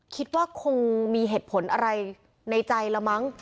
คิดว่าคงมีเหตุผลอะไรในใจละมั้ง